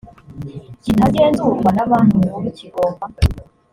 kitagenzurwa na banki nkuru kigomba